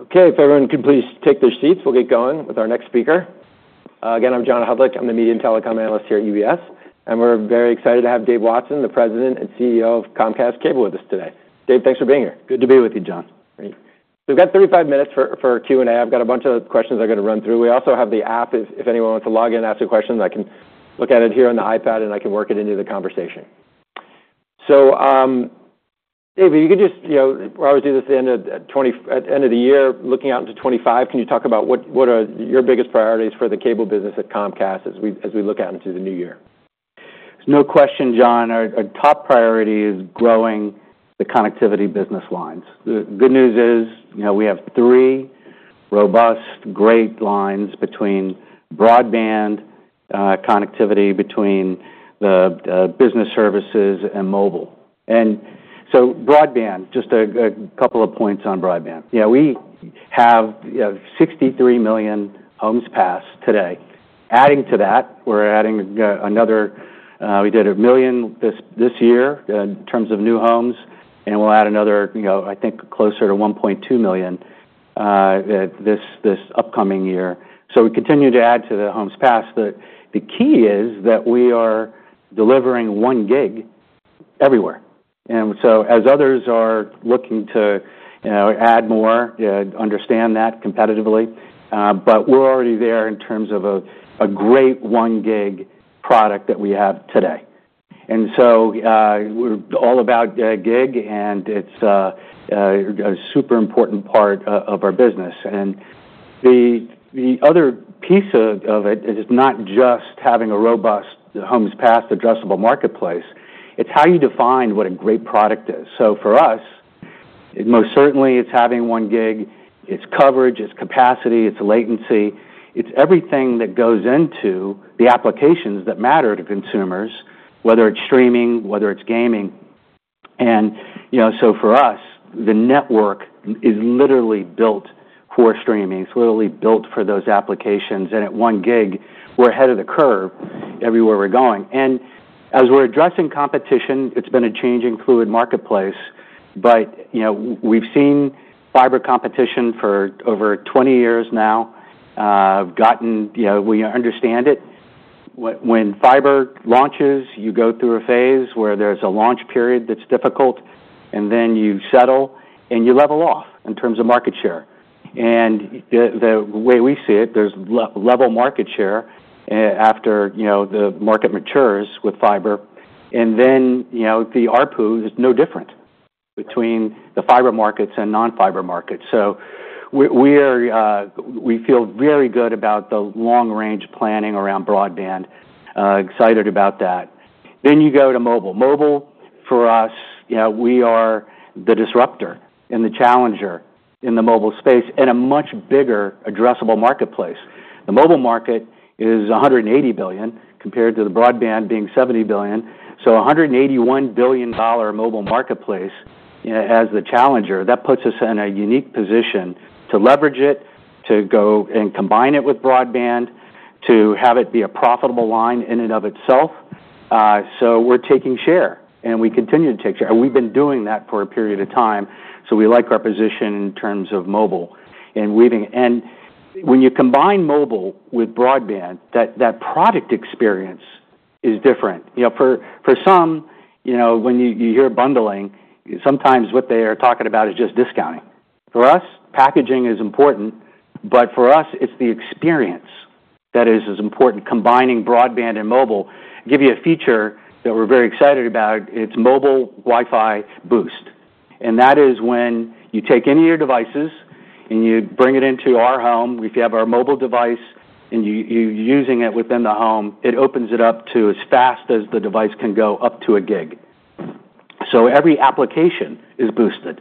Okay. If everyone can please take their seats, we'll get going with our next speaker. Again, I'm John Hodulik. I'm the Media and Telecom Analyst here at UBS. And we're very excited to have Dave Watson, the President and CEO of Comcast Cable, with us today. Dave, thanks for being here. Good to be with you, John. Great. So we've got 35 minutes for Q&A. I've got a bunch of questions I'm gonna run through. We also have the app. If anyone wants to log in and ask a question, I can look at it here on the iPad, and I can work it into the conversation. So, Dave, if you could just, you know, we always do this at the end of twenty-four, at the end of the year, looking out into 2025, can you talk about what, what are your biggest priorities for the cable business at Comcast as we, as we look out into the new year? No question, John. Our top priority is growing the connectivity business lines. The good news is, you know, we have three robust, great lines between broadband, connectivity, business services, and mobile. And so broadband, just a couple of points on broadband. Yeah, we have, you know, 63 million homes passed today. Adding to that, we're adding another; we did a million this year in terms of new homes, and we'll add another, you know, I think closer to 1.2 million this upcoming year. So we continue to add to the homes passed. The key is that we are delivering one gig everywhere. And so as others are looking to, you know, add more, understand that competitively, but we're already there in terms of a great one-gig product that we have today. And so, we're all about gig, and it's a super important part of our business. The other piece of it is not just having a robust homes passed addressable marketplace. It's how you define what a great product is. So for us, most certainly, it's having one gig. It's coverage. It's capacity. It's latency. It's everything that goes into the applications that matter to consumers, whether it's streaming, whether it's gaming. And, you know, so for us, the network is literally built for streaming. It's literally built for those applications. And at one gig, we're ahead of the curve everywhere we're going. And as we're addressing competition, it's been a changing, fluid marketplace. But, you know, we've seen fiber competition for over 20 years now. We've gotten, you know, we understand it. When fiber launches, you go through a phase where there's a launch period that's difficult, and then you settle, and you level off in terms of market share, and the way we see it, there's level market share after, you know, the market matures with fiber, and then, you know, the ARPU is no different between the fiber markets and non-fiber markets, so we are, we feel very good about the long-range planning around broadband, excited about that, then you go to mobile. Mobile, for us, you know, we are the disruptor and the challenger in the mobile space and a much bigger addressable marketplace. The mobile market is $180 billion compared to the broadband being $70 billion. So a $181 billion mobile marketplace, you know, as the challenger, that puts us in a unique position to leverage it, to go and combine it with broadband, to have it be a profitable line in and of itself. So we're taking share, and we continue to take share. And we've been doing that for a period of time. So we like our position in terms of mobile and weaving. And when you combine mobile with broadband, that, that product experience is different. You know, for, for some, you know, when you, you hear bundling, sometimes what they are talking about is just discounting. For us, packaging is important, but for us, it's the experience that is as important combining broadband and mobile. I'll give you a feature that we're very excited about. It's Mobile WiFi Boost. And that is when you take any of your devices and you bring it into our home. If you have our mobile device and you're using it within the home, it opens it up to as fast as the device can go up to a gig. So every application is boosted.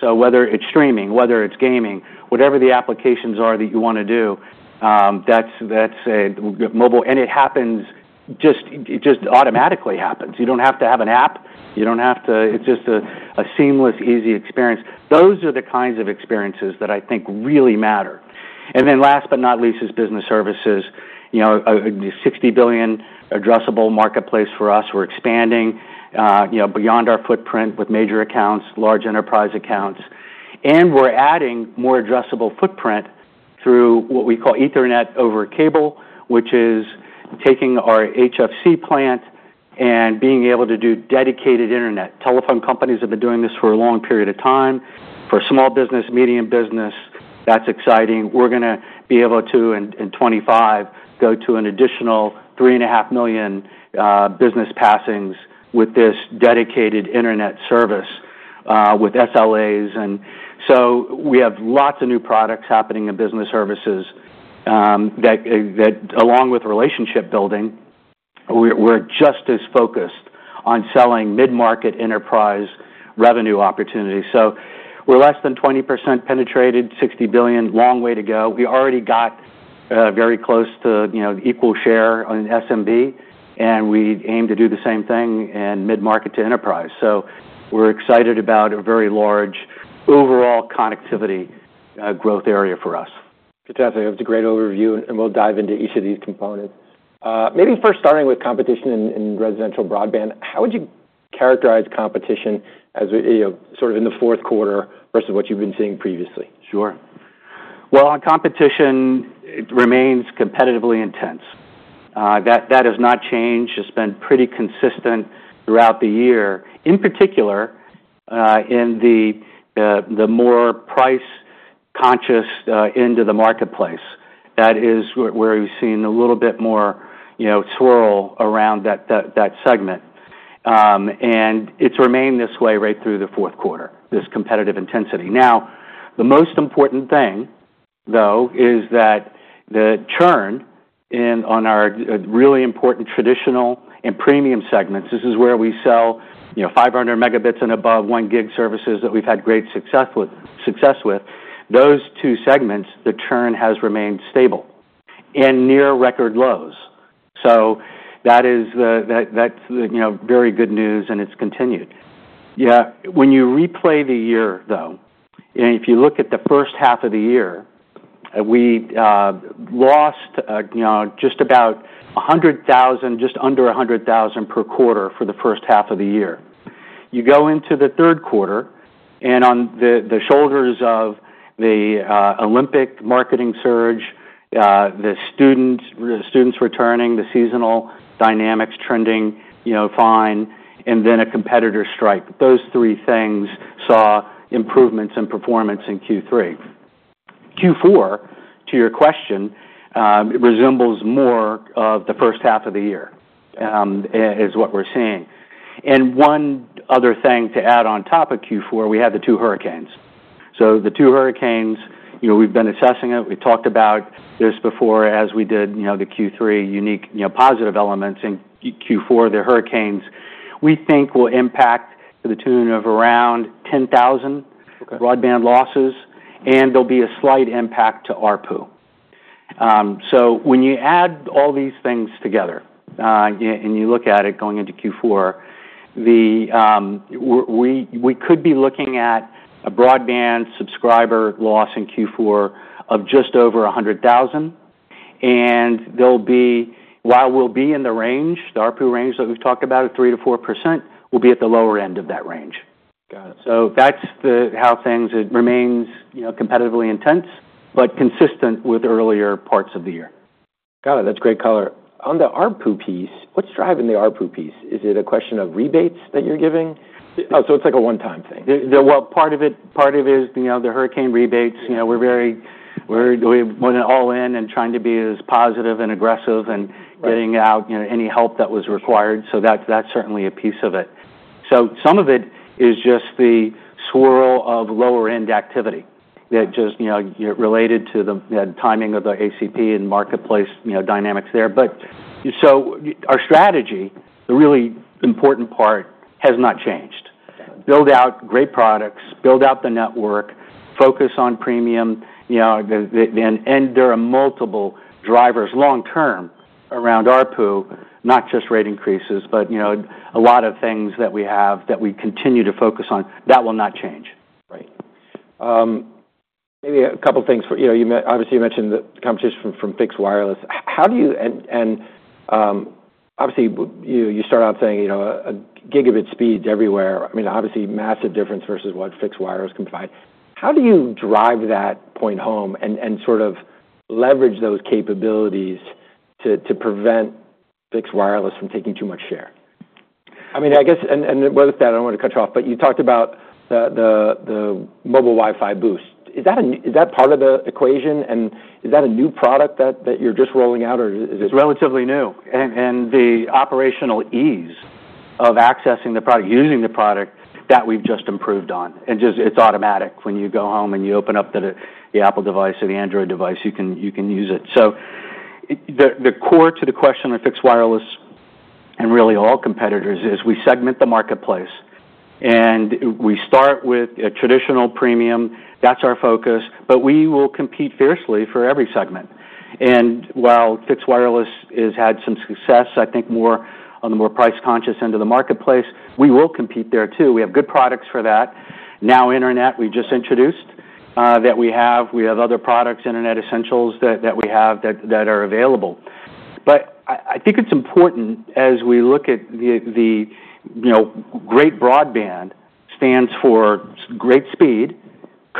So whether it's streaming, whether it's gaming, whatever the applications are that you wanna do, that's mobile. And it happens just automatically. You don't have to have an app. You don't have to. It's just a seamless, easy experience. Those are the kinds of experiences that I think really matter. And then last but not least is business services. You know, $60 billion addressable marketplace for us. We're expanding, you know, beyond our footprint with major accounts, large enterprise accounts. We're adding more addressable footprint through what we call Ethernet over cable, which is taking our HFC plant and being able to do dedicated internet. Telephone companies have been doing this for a long period of time. For small business, medium business, that's exciting. We're gonna be able to, in 2025, go to an additional 3.5 million business passings with this dedicated internet service, with SLAs. We have lots of new products happening in business services, that along with relationship building, we're just as focused on selling mid-market enterprise revenue opportunities. We're less than 20% penetrated, $60 billion, long way to go. We already got, very close to, you know, equal share on SMB, and we aim to do the same thing in mid-market to enterprise. We're excited about a very large overall connectivity, growth area for us. Fantastic. That was a great overview, and we'll dive into each of these components. Maybe first starting with competition in residential broadband, how would you characterize competition as we, you know, sort of in the fourth quarter versus what you've been seeing previously? Sure. Well, our competition, it remains competitively intense. That has not changed. It's been pretty consistent throughout the year. In particular, in the more price-conscious end of the marketplace. That is where we've seen a little bit more, you know, swirl around that segment, and it's remained this way right through the fourth quarter, this competitive intensity. Now, the most important thing, though, is that the churn is on our really important traditional and premium segments, this is where we sell, you know, 500 megabits and above one-gig services that we've had great success with. Those two segments, the churn has remained stable and near record lows. So that is, you know, very good news, and it's continued. Yeah. When you replay the year, though, and if you look at the first half of the year, we lost, you know, just about 100,000, just under 100,000 per quarter for the first half of the year. You go into the third quarter, and on the shoulders of the Olympic marketing surge, the students returning, the seasonal dynamics trending, you know, fine, and then a competitor strike. Those three things saw improvements in performance in Q3. Q4, to your question, resembles more of the first half of the year, is what we're seeing, and one other thing to add on top of Q4, we had the two hurricanes, so the two hurricanes, you know, we've been assessing it. We talked about this before as we did, you know, the Q3 unique, you know, positive elements. In Q4, the hurricanes we think will impact to the tune of around 10,000. Okay. Broadband losses, and there'll be a slight impact to ARPU. So when you add all these things together, and you look at it going into Q4, the, we could be looking at a broadband subscriber loss in Q4 of just over 100,000. And there'll be, while we'll be in the range, the ARPU range that we've talked about at 3%-4%, we'll be at the lower end of that range. Got it. So that's how things. It remains, you know, competitively intense but consistent with earlier parts of the year. Got it. That's great color. On the ARPU piece, what's driving the ARPU piece? Is it a question of rebates that you're giving? Oh, so it's like a one-time thing? Well, part of it is, you know, the hurricane rebates. You know, we're very going all in and trying to be as positive and aggressive and getting out, you know, any help that was required. So that's certainly a piece of it. So some of it is just the swirl of lower-end activity that just, you know, you're related to the timing of the ACP and marketplace, you know, dynamics there. But so our strategy, the really important part, has not changed. Build out great products, build out the network, focus on premium, you know, then, and there are multiple drivers long-term around ARPU, not just rate increases, but, you know, a lot of things that we have that we continue to focus on. That will not change. Right. Maybe a couple of things for you, you know. You mentioned the competition from fixed wireless. How do you and obviously you know, you start out saying, you know, gigabit speeds everywhere. I mean, obviously, massive difference versus what fixed wireless can provide. How do you drive that point home and sort of leverage those capabilities to prevent fixed wireless from taking too much share? I mean, I guess, and with that, I don't wanna cut you off, but you talked about the Mobile WiFi Boost. Is that a new part of the equation? And is that a new product that you're just rolling out, or is it? It's relatively new, and the operational ease of accessing the product, using the product that we've just improved on. And just it's automatic. When you go home and you open up the Apple device or the Android device, you can use it. So the core to the question on fixed wireless and really all competitors is we segment the marketplace, and we start with a traditional premium. That's our focus, but we will compete fiercely for every segment. And while fixed wireless has had some success, I think more on the more price-conscious end of the marketplace, we will compete there too. We have good products for that. NOW Internet, we just introduced, that we have. We have other products, Internet Essentials that we have that are available. But I think it's important as we look at the, you know, great broadband stands for great speed,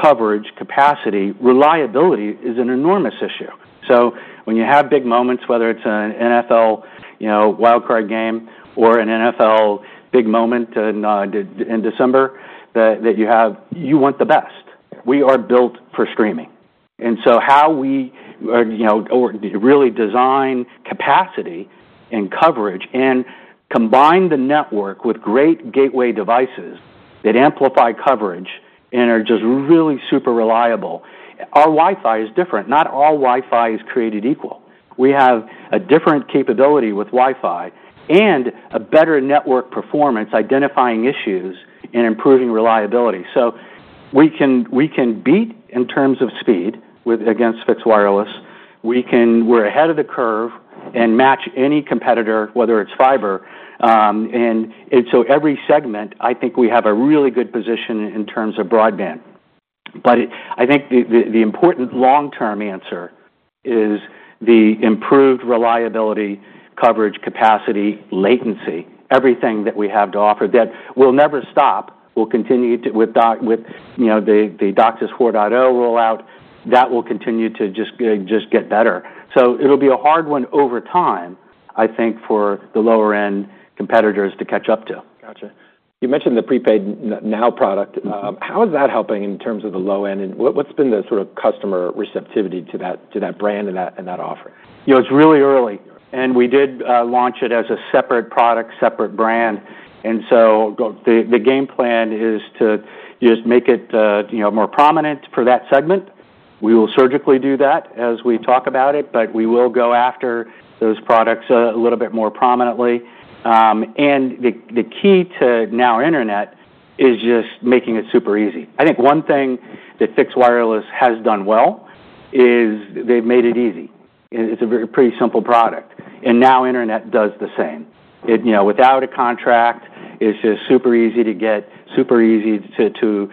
coverage, capacity. Reliability is an enormous issue. So when you have big moments, whether it's an NFL, you know, Wild Card game or an NFL big moment in December, that you have, you want the best. We are built for streaming. And so how we really design capacity and coverage and combine the network with great gateway devices that amplify coverage and are just really super reliable. Our Wi-Fi is different. Not all Wi-Fi is created equal. We have a different capability with Wi-Fi and a better network performance, identifying issues and improving reliability. So we can beat in terms of speed against fixed wireless. We're ahead of the curve and match any competitor, whether it's fiber. And so every segment, I think we have a really good position in terms of broadband. But I think the important long-term answer is the improved reliability, coverage, capacity, latency, everything that we have to offer that will never stop. We'll continue to, you know, with the DOCSIS 4.0 rollout. That will continue to just get better. So it'll be a hard one over time, I think, for the lower-end competitors to catch up to. Gotcha. You mentioned the prepaid NOW product. How is that helping in terms of the low-end? And what's been the sort of customer receptivity to that offer? You know, it's really early, and we did launch it as a separate product, separate brand, and so the game plan is to just make it, you know, more prominent for that segment. We will surgically do that as we talk about it, but we will go after those products a little bit more prominently, and the key to NOW Internet is just making it super easy. I think one thing that fixed wireless has done well is they've made it easy. And it's a very pretty simple product. And NOW Internet does the same. It, you know, without a contract, it's just super easy to get, super easy to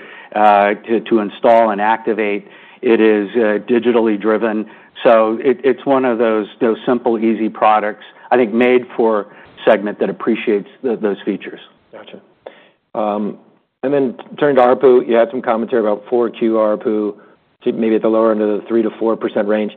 install and activate. It is digitally driven, so it's one of those simple, easy products, I think, made for segment that appreciates those features. Gotcha, and then turn to ARPU. You had some commentary about 4Q ARPU, maybe at the lower end of the 3%-4% range.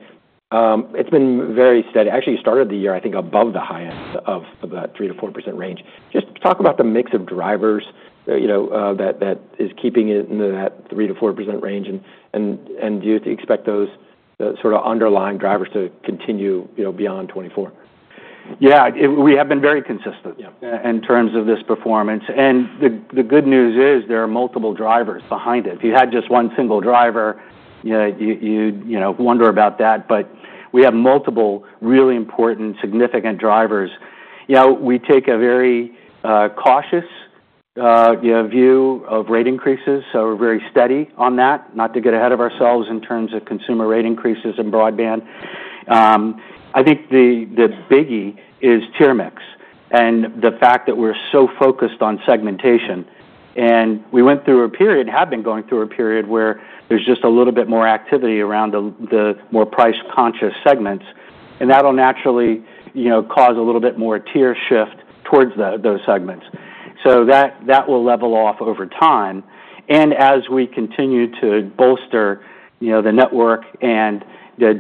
It's been very steady. Actually, you started the year, I think, above the high end of that 3%-4% range. Just talk about the mix of drivers, you know, that is keeping it in that 3%-4% range. And do you expect those sort of underlying drivers to continue, you know, beyond 2024? Yeah. We have been very consistent. Yeah. In terms of this performance. And the good news is there are multiple drivers behind it. If you had just one single driver, you know, wonder about that. But we have multiple really important, significant drivers. You know, we take a very cautious view of rate increases, so we're very steady on that, not to get ahead of ourselves in terms of consumer rate increases and broadband. I think the biggie is tier mix and the fact that we're so focused on segmentation. And we went through a period, have been going through a period where there's just a little bit more activity around the more price-conscious segments, and that'll naturally, you know, cause a little bit more tier shift towards those segments. So that will level off over time. And as we continue to bolster, you know, the network and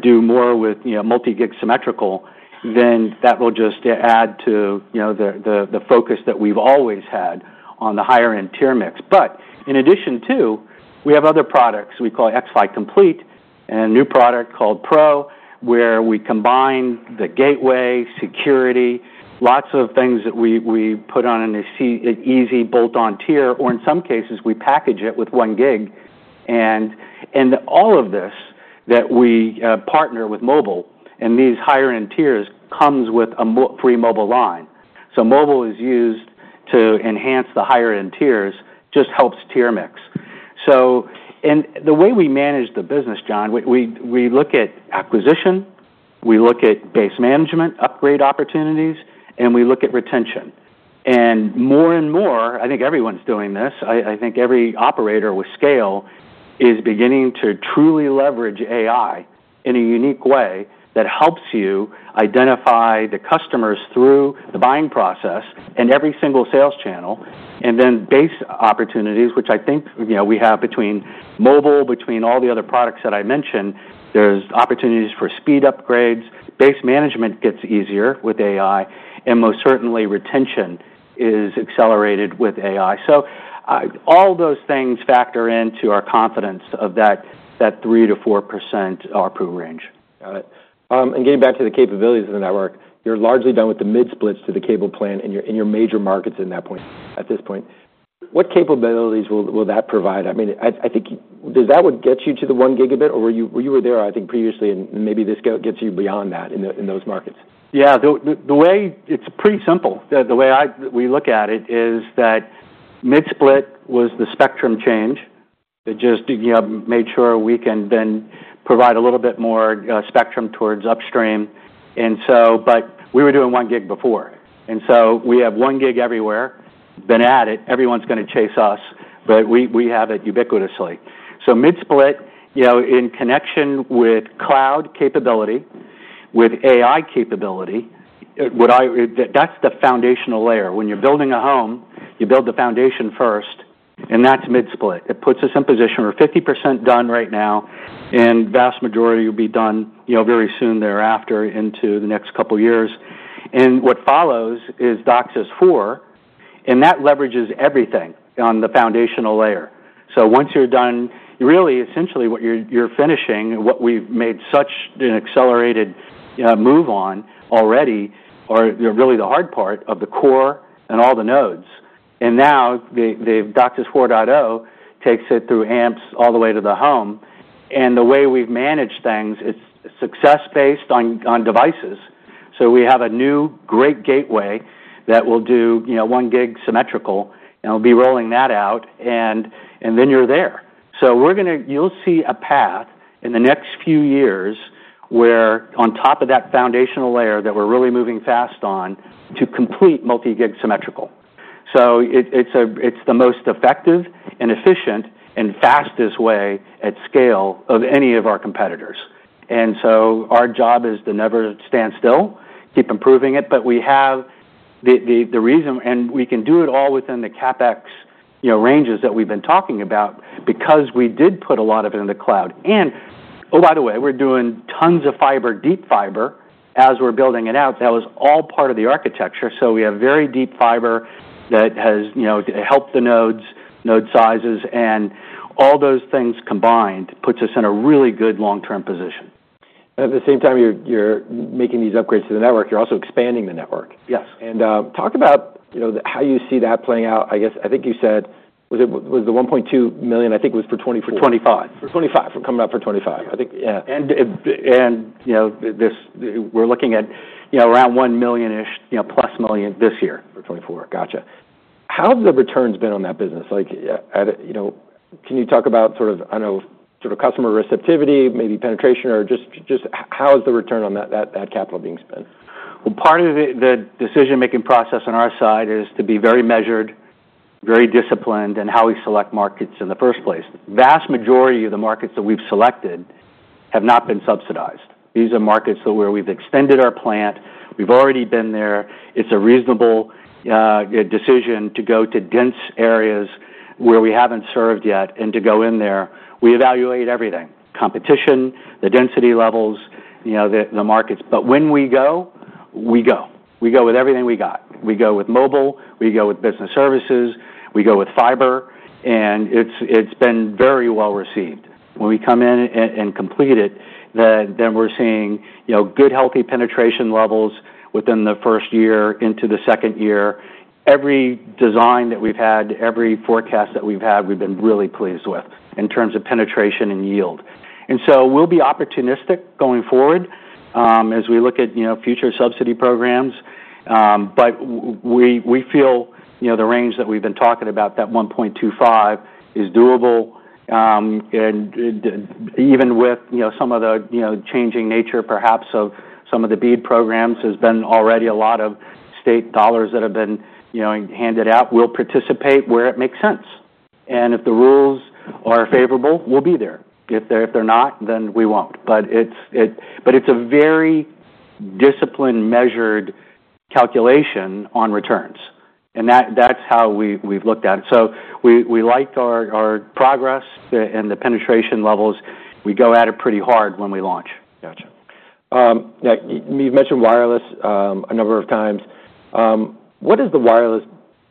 do more with, you know, multi-gig symmetrical, then that will just add to, you know, the focus that we've always had on the higher-end tier mix. But in addition to, we have other products we call xFi Complete and a new product called Pro, where we combine the gateway, security, lots of things that we put on an easy bolt-on tier, or in some cases, we package it with one gig. And all of this that we partner with mobile, and these higher-end tiers come with a free mobile line. So mobile is used to enhance the higher-end tiers, just helps tier mix. So, and the way we manage the business, John, we look at acquisition, we look at base management, upgrade opportunities, and we look at retention. More and more, I think everyone's doing this. I, I think every operator with scale is beginning to truly leverage AI in a unique way that helps you identify the customers through the buying process and every single sales channel, then base opportunities, which I think, you know, we have between Mobile, between all the other products that I mentioned, there's opportunities for speed upgrades. Base management gets easier with AI, and most certainly, retention is accelerated with AI. All those things factor into our confidence of that, that 3%-4% ARPU range. Got it. And getting back to the capabilities of the network, you're largely done with the mid-splits to the cable plan in your major markets at this point. What capabilities will that provide? I mean, I think does that would get you to the one gigabit, or were you there, I think, previously, and maybe this go gets you beyond that in those markets? Yeah. The way it's pretty simple. The way we look at it is that mid-split was the spectrum change that just, you know, made sure we can then provide a little bit more spectrum towards upstream. And so, but we were doing one gig before. And so we have one gig everywhere. Been at it. Everyone's gonna chase us, but we have it ubiquitously. So mid-split, you know, in connection with cloud capability, with AI capability, that's the foundational layer. When you're building a home, you build the foundation first, and that's mid-split. It puts us in position. We're 50% done right NOW, and vast majority will be done, you know, very soon thereafter into the next couple of years. And what follows is DOCSIS 4, and that leverages everything on the foundational layer. So once you're done, really, essentially what you're finishing, what we've made such an accelerated move on already, or, you know, really the hard part of the core and all the nodes. And NOW the DOCSIS 4.0 takes it through amps all the way to the home. And the way we've managed things, it's success-based on devices. So we have a new great gateway that will do, you know, one gig symmetrical, and we'll be rolling that out, and then you're there. So we're gonna, you'll see a path in the next few years where, on top of that foundational layer that we're really moving fast on to complete multi-gig symmetrical. So it's the most effective and efficient and fastest way at scale of any of our competitors. And so our job is to never stand still, keep improving it. But we have the reason, and we can do it all within the CapEx, you know, ranges that we've been talking about because we did put a lot of it in the cloud. And, oh, by the way, we're doing tons of fiber, deep fiber as we're building it out. That was all part of the architecture. So we have very deep fiber that has, you know, helped the nodes, node sizes, and all those things combined puts us in a really good long-term position. At the same time, you're making these upgrades to the network. You're also expanding the network. Yes. Talk about, you know, how you see that playing out. I guess, I think you said was it, was the 1.2 million, I think it was for 2024. For '25. For 2025. We're coming up for 2025. I think, yeah. You know, this, we're looking at, you know, around one million-ish, you know, plus million this year. For 2024. Gotcha. How have the returns been on that business? Like, you know, can you talk about sort of, I don't know, sort of customer receptivity, maybe penetration, or just how is the return on that capital being spent? Part of the decision-making process on our side is to be very measured, very disciplined in how we select markets in the first place. The vast majority of the markets that we've selected have not been subsidized. These are markets where we've extended our plant. We've already been there. It's a reasonable decision to go to dense areas where we haven't served yet and to go in there. We evaluate everything: competition, the density levels, you know, the markets. But when we go, we go. We go with everything we got. We go with mobile. We go with business services. We go with fiber. And it's been very well received. When we come in and complete it, then we're seeing, you know, good, healthy penetration levels within the first year into the second year. Every design that we've had, every forecast that we've had, we've been really pleased with in terms of penetration and yield. And so we'll be opportunistic going forward, as we look at, you know, future subsidy programs. But we feel, you know, the range that we've been talking about, that 1.25 is doable. And even with, you know, some of the, you know, changing nature, perhaps, of some of the BEAD programs has been already a lot of state dollars that have been, you know, handed out. We'll participate where it makes sense. And if the rules are favorable, we'll be there. If they're not, then we won't. But it's a very disciplined, measured calculation on returns. And that's how we've looked at it. So we liked our progress and the penetration levels. We go at it pretty hard when we launch. Gotcha. Now you've mentioned wireless a number of times. What is the wireless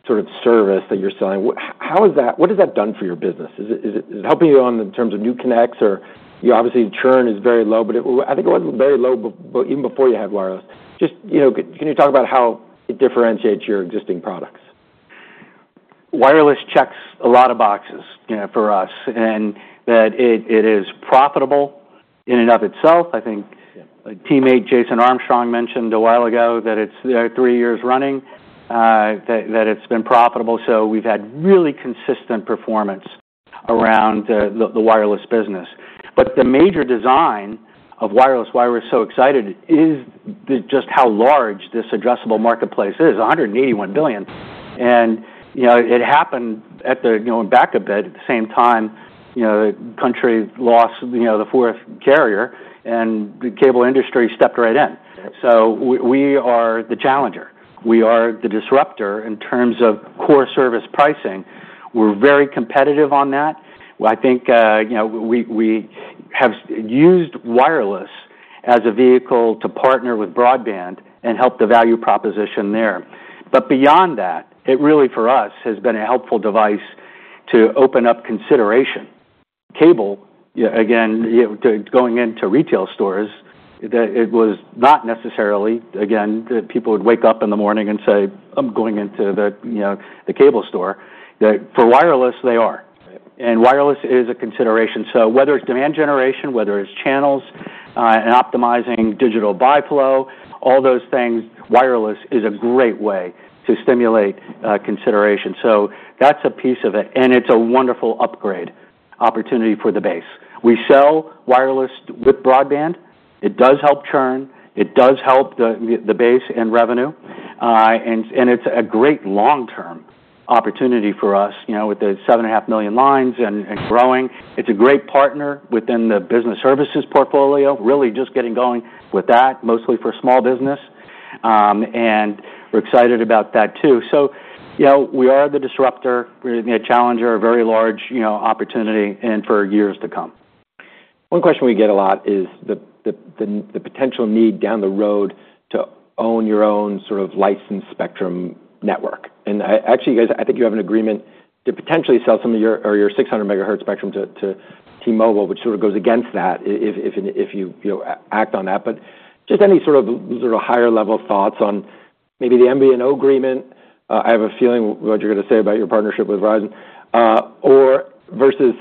sort of service that you're selling? What, how has that, what has that done for your business? Is it helping you on the terms of new connects, or you obviously churn is very low, but I think it was very low before you had wireless. Just, you know, can you talk about how it differentiates your existing products? Wireless checks a lot of boxes, you know, for us, and that it is profitable in and of itself. I think a teammate, Jason Armstrong, mentioned a while ago that it's three years running that it's been profitable. So we've had really consistent performance around the wireless business. But the major design of wireless, why we're so excited is just how large this addressable marketplace is, $181 billion. And you know, it happened at the you know, backup bid. At the same time, you know, the country lost you know, the fourth carrier, and the cable industry stepped right in. So we are the challenger. We are the disruptor in terms of core service pricing. We're very competitive on that. I think you know, we have used wireless as a vehicle to partner with broadband and help the value proposition there. But beyond that, it really, for us, has been a helpful device to open up consideration. Cable, you know, again, you know, to going into retail stores, that it was not necessarily, again, that people would wake up in the morning and say, "I'm going into the, you know, cable store," that for wireless, they are. And wireless is a consideration. So whether it's demand generation, whether it's channels, and optimizing digital buy flow, all those things, wireless is a great way to stimulate consideration. So that's a piece of it. And it's a wonderful upgrade opportunity for the base. We sell wireless with broadband. It does help churn. It does help the base and revenue. And it's a great long-term opportunity for us, you know, with the 7.5 million lines and growing. It's a great partner within the business services portfolio, really just getting going with that, mostly for small business. And we're excited about that too. So, you know, we are the disruptor. We're the challenger, a very large, you know, opportunity and for years to come. One question we get a lot is the potential need down the road to own your own sort of licensed spectrum network. And actually, you guys, I think you have an agreement to potentially sell some of your 600 megahertz spectrum to T-Mobile, which sort of goes against that if you know act on that. But just any sort of higher-level thoughts on maybe the MVNO agreement. I have a feeling what you're gonna say about your partnership with Verizon, or versus,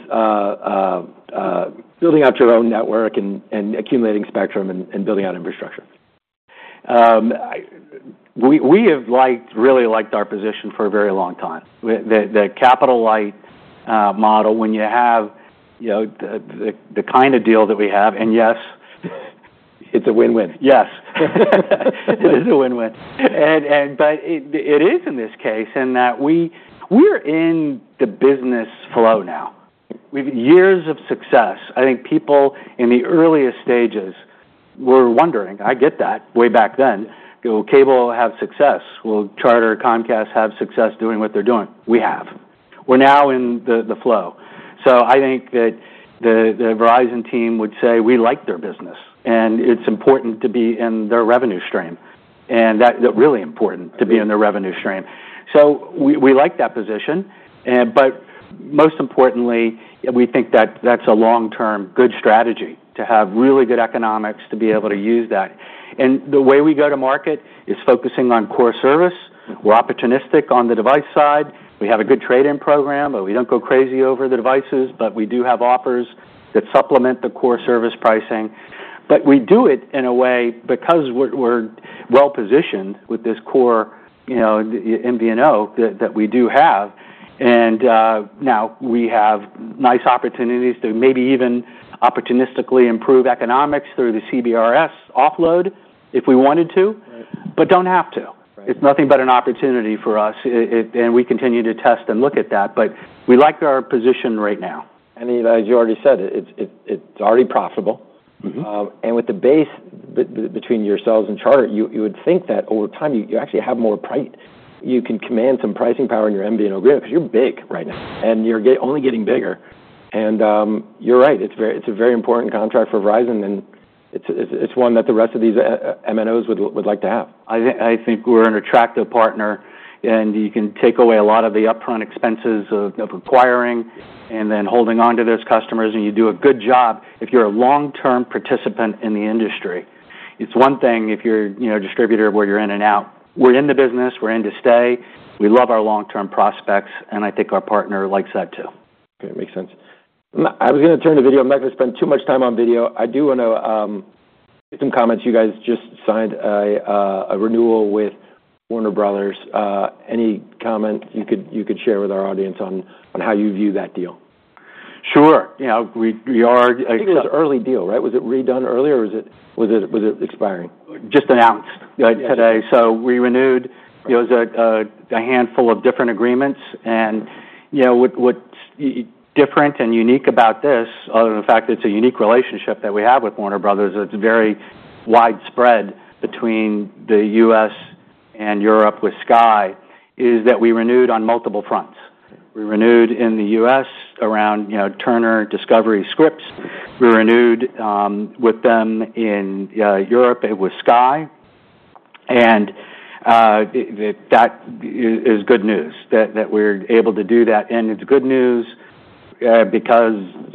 building out your own network and accumulating spectrum and building out infrastructure. We have liked, really liked our position for a very long time. The Capital Light model, when you have, you know, the kind of deal that we have, and yes, it's a win-win. Yes. It is a win-win. And, but it is in this case in that we, we're in the business flow NOW. We have years of success. I think people in the earliest stages were wondering, I get that, way back then, will cable have success? Will Charter and Comcast have success doing what they're doing? We have. We're NOW in the flow. So I think that the Verizon team would say we like their business, and it's important to be in their revenue stream. And that really important to be in their revenue stream. So we like that position. But most importantly, we think that that's a long-term good strategy to have really good economics to be able to use that. The way we go to market is focusing on core service. We're opportunistic on the device side. We have a good trade-in program, but we don't go crazy over the devices, but we do have offers that supplement the core service pricing. But we do it in a way because we're well-positioned with this core, you know, MVNO that we do have. Now we have nice opportunities to maybe even opportunistically improve economics through the CBRS offload if we wanted to, but don't have to. It's nothing but an opportunity for us. It and we continue to test and look at that, but we like our position right NOW. You know, as you already said, it's already profitable. And with the base between yourselves and Charter, you would think that over time, you actually have more price. You can command some pricing power in your MVNO agreement because you're big right NOW, and you're getting bigger. And, you're right. It's a very important contract for Verizon, and it's one that the rest of these MNOs would like to have. I think we're an attractive partner, and you can take away a lot of the upfront expenses of acquiring and then holding on to those customers. And you do a good job if you're a long-term participant in the industry. It's one thing if you're, you know, a distributor where you're in and out. We're in the business. We're in to stay. We love our long-term prospects, and I think our partner likes that too. Okay. Makes sense. I was gonna turn to video. I'm not gonna spend too much time on video. I do wanna some comments. You guys just signed a renewal with Warner Bros. Any comment you could share with our audience on how you view that deal? Sure. You know, we are. I think it was an early deal, right? Was it redone earlier, or was it expiring? Just announced today. We renewed. It was a handful of different agreements. And, you know, what's different and unique about this, other than the fact that it's a unique relationship that we have with Warner Bros., that's very widespread between the U.S. and Europe with Sky, is that we renewed on multiple fronts. We renewed in the U.S. around, you know, Turner, Discovery, Scripps. We renewed with them in Europe with Sky. And that is good news that we're able to do that. And it's good news, because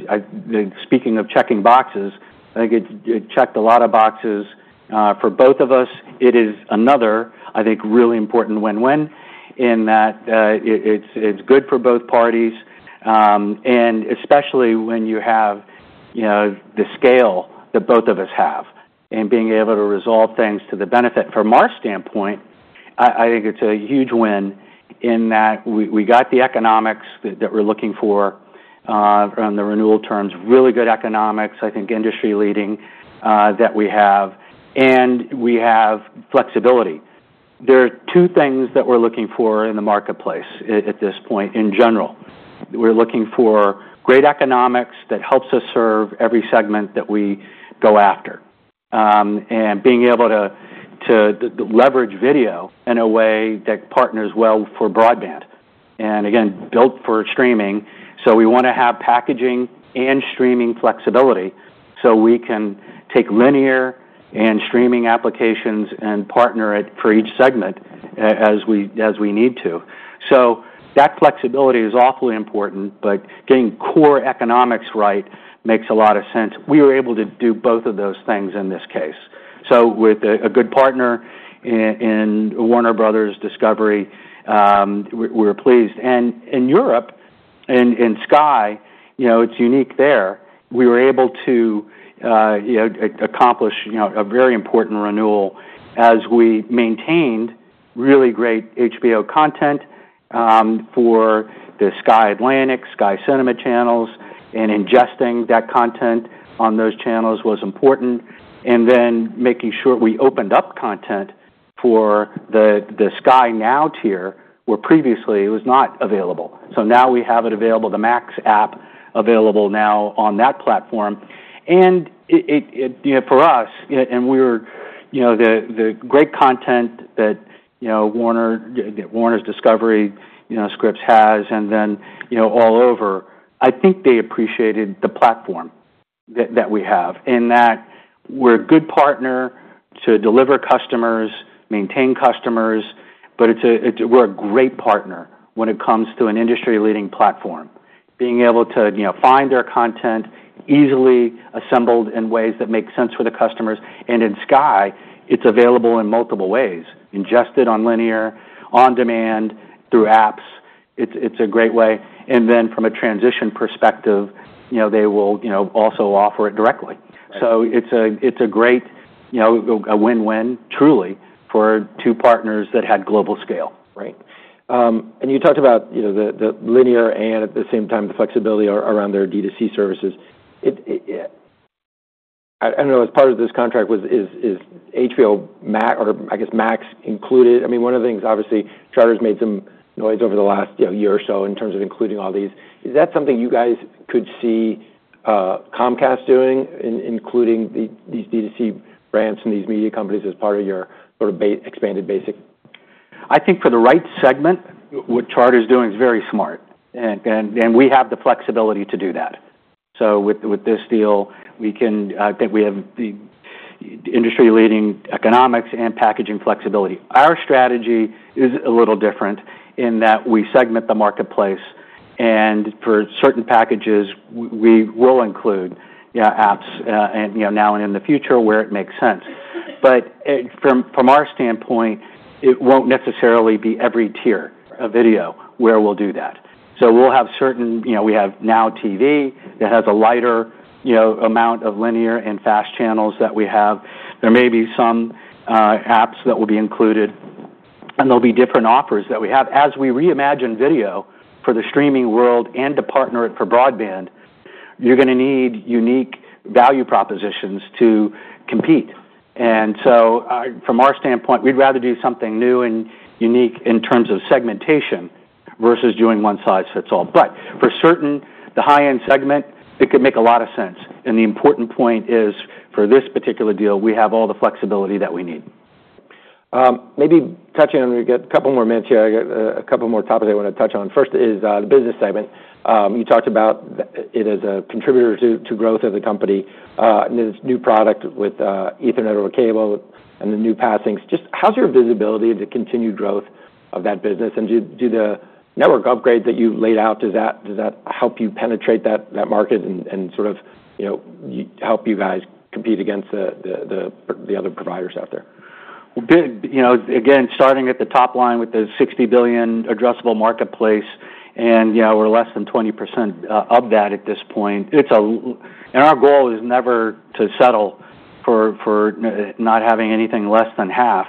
I think speaking of checking boxes, I think it checked a lot of boxes for both of us. It is another, I think, really important win-win in that, it's good for both parties, and especially when you have, you know, the scale that both of us have and being able to resolve things to the benefit. From our standpoint, I think it's a huge win in that we got the economics that we're looking for, on the renewal terms, really good economics, I think industry-leading, that we have, and we have flexibility. There are two things that we're looking for in the marketplace at this point in general. We're looking for great economics that helps us serve every segment that we go after, and being able to leverage video in a way that partners well for broadband and, again, built for streaming. So we wanna have packaging and streaming flexibility so we can take linear and streaming applications and partner it for each segment as we need to. So that flexibility is awfully important, but getting core economics right makes a lot of sense. We were able to do both of those things in this case. So with a good partner in Warner Bros. Discovery, we're pleased. And in Europe and Sky, you know, it's unique there. We were able to, you know, accomplish, you know, a very important renewal as we maintained really great HBO content for the Sky Atlantic, Sky Cinema channels, and ingesting that content on those channels was important, and then making sure we opened up content for the Sky NOW tier where previously it was not available. So now we have it available, the Max app available now on that platform. And it, you know, for us, and we were, you know, the great content that, you know, Warner Bros. Discovery, you know, Scripps has, and then, you know, all over, I think they appreciated the platform that we have and that we're a good partner to deliver customers, maintain customers, but it's a, we're a great partner when it comes to an industry-leading platform, being able to, you know, find their content easily assembled in ways that make sense for the customers. And in Sky, it's available in multiple ways, ingested on linear, on demand, through apps. It's a great way. And then from a transition perspective, you know, they will, you know, also offer it directly. So it's a great, you know, a win-win, truly, for two partners that had global scale. Right. And you talked about, you know, the linear and at the same time the flexibility around their D2C services. I don't know. As part of this contract, is HBO Max or, I guess, Max included? I mean, one of the things, obviously, Charter's made some noise over the last, you know, year or so in terms of including all these. Is that something you guys could see Comcast doing in including these D2C brands and these media companies as part of your sort of base expanded basic? I think for the right segment, what Charter's doing is very smart, and we have the flexibility to do that, so with this deal, we can. I think we have the industry-leading economics and packaging flexibility. Our strategy is a little different in that we segment the marketplace, and for certain packages, we will include, you know, apps, and you know, now and in the future where it makes sense, but from our standpoint, it won't necessarily be every tier of video where we'll do that, so we'll have certain, you know, we have NOW TV that has a lighter, you know, amount of linear and FAST channels that we have. There may be some apps that will be included, and there'll be different offers that we have. As we reimagine video for the streaming world and to partner it for broadband, you're gonna need unique value propositions to compete. And so, from our standpoint, we'd rather do something new and unique in terms of segmentation versus doing one size fits all. But for certain, the high-end segment, it could make a lot of sense. And the important point is for this particular deal, we have all the flexibility that we need. Maybe touching on, we got a couple more minutes here. I got a couple more topics I wanna touch on. First is the business segment. You talked about it as a contributor to growth of the company, and this new product with Ethernet over cable and the new passings. Just how's your visibility to continued growth of that business? And do the network upgrade that you laid out, does that help you penetrate that market and sort of, you know, help you guys compete against the other providers out there? You know, again, starting at the top line with the $60 billion addressable marketplace, and, you know, we're less than 20% of that at this point. It's all and our goal is never to settle for, for not having anything less than half.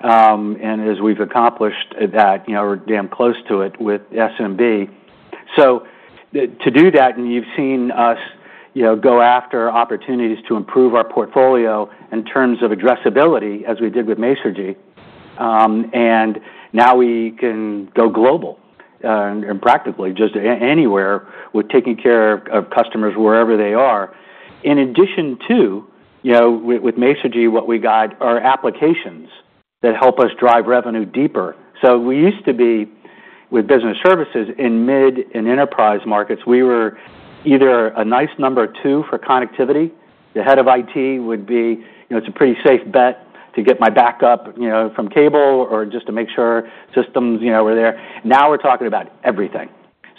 And as we've accomplished that, you know, we're damn close to it with SMB. So to do that, and you've seen us, you know, go after opportunities to improve our portfolio in terms of addressability as we did with Masergy. And Now we can go global, and practically just anywhere with taking care of customers wherever they are. In addition to, you know, with Masergy, what we got are applications that help us drive revenue deeper. So we used to be with business services in mid and enterprise markets. We were either a nice number two for connectivity. The head of IT would be, you know, it's a pretty safe bet to get my backup, you know, from cable or just to make sure systems, you know, were there. Now we're talking about everything.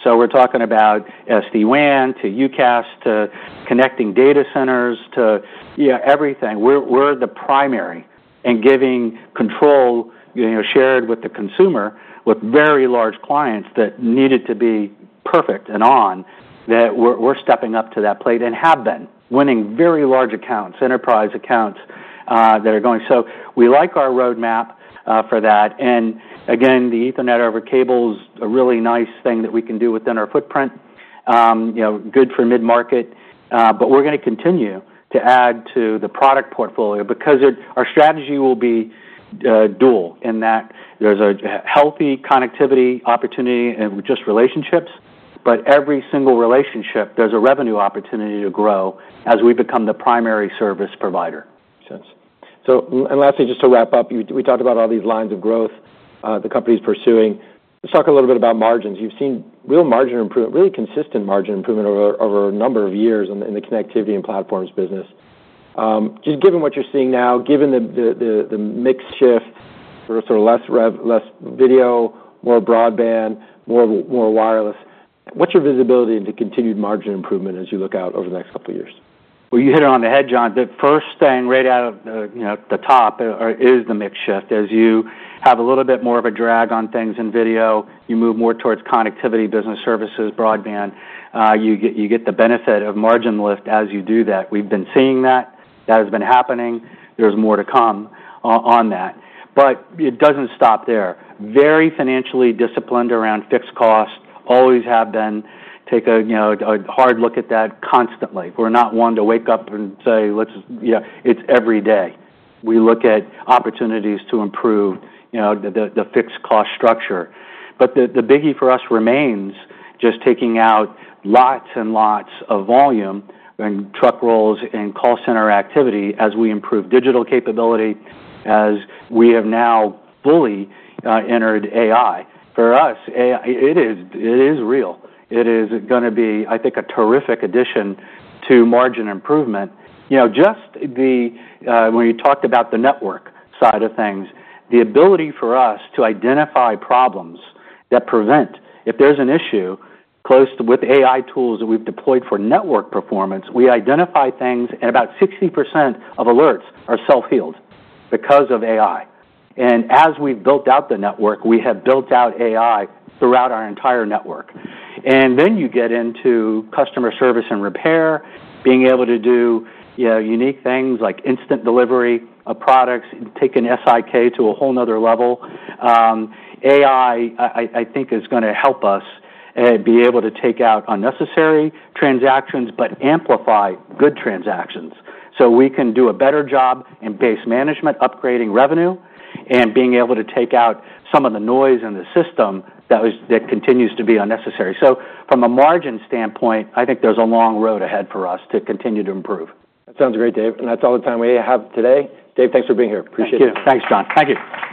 So we're talking about SD-WAN to UCaaS to connecting data centers to, you know, everything. We're the primary in giving control, you know, shared with the consumer with very large clients that needed to be perfect, and on that we're stepping up to that plate and have been winning very large accounts, enterprise accounts, that are going. So we like our roadmap for that. And again, the Ethernet over cable's a really nice thing that we can do within our footprint, you know, good for mid-market. but we're gonna continue to add to the product portfolio because our strategy will be dual in that there's a healthy connectivity opportunity and just relationships, but every single relationship, there's a revenue opportunity to grow as we become the primary service provider. Makes sense. So, and lastly, just to wrap up, you, we talked about all these lines of growth, the company's pursuing. Let's talk a little bit about margins. You've seen real margin improvement, really consistent margin improvement over a number of years in the connectivity and platforms business. Just given what you're seeing NOW, given the mix shift for sort of less rev, less video, more broadband, more wireless, what's your visibility into continued margin improvement as you look out over the next couple of years? Well, you hit it on the head, John. The first thing right out of the, you know, the top, is the mix shift. As you have a little bit more of a drag on things in video, you move more towards connectivity, business services, broadband. You get, you get the benefit of margin lift as you do that. We've been seeing that. That has been happening. There's more to come on that. But it doesn't stop there. Very financially disciplined around fixed cost, always have been, take a, you know, a hard look at that constantly. We're not one to wake up and say, "Let's, you know, it's every day." We look at opportunities to improve, you know, the, the fixed cost structure. The biggie for us remains just taking out lots and lots of volume and truck rolls and call center activity as we improve digital capability as we have now fully entered AI. For us, AI, it is real. It is gonna be, I think, a terrific addition to margin improvement. You know, just when you talked about the network side of things, the ability for us to identify problems that prevent if there's an issue close to with AI tools that we've deployed for network performance, we identify things and about 60% of alerts are self-healed because of AI. And as we've built out the network, we have built out AI throughout our entire network. And then you get into customer service and repair, being able to do, you know, unique things like instant delivery of products, take an SIK to a whole nother level. AI, I think is gonna help us be able to take out unnecessary transactions but amplify good transactions so we can do a better job in base management, upgrading revenue, and being able to take out some of the noise in the system that continues to be unnecessary. So from a margin standpoint, I think there's a long road ahead for us to continue to improve. That sounds great, Dave, and that's all the time we have today. Dave, thanks for being here. Appreciate it. Thank you. Thanks, John. Thank you.